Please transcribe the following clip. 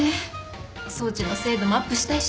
装置の精度もアップしたいし。